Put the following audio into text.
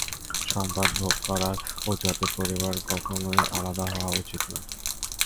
সম্পদ ভাগ করার অজুহাতে পরিবারের কখনোই আলাদা হওয়া উচিত না।